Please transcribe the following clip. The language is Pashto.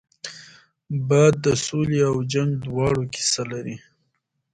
باد د سولې او جنګ دواړو کیسه لري